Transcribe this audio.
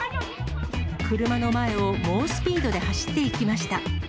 車の前を猛スピードで走っていきました。